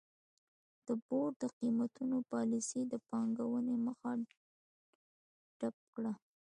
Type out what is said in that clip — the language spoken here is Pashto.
د بورډ د قېمتونو پالیسۍ د پانګونې مخه ډپ کړه.